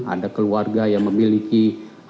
ada keluarga yang memiliki harta harta lainnya